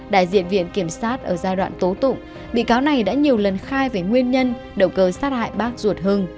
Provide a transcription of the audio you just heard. đại diện viện kiểm soát ở giai đoạn tố tụng bị cáo này đã nhiều lần khai với nguyên nhân đậu cơ sát hại bác ruột hưng